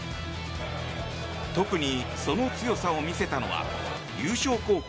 特に、その強さを見せたのは優勝候補